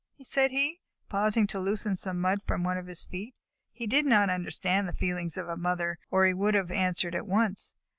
said he, pausing to loosen some mud from one of his feet (he did not understand the feelings of a mother, or he would have answered at once).